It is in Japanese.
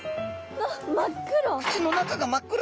わっ真っ黒！